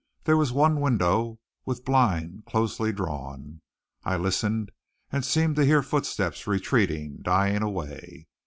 There was one window with blind closely drawn. I listened and seemed to hear footsteps retreating, dying away.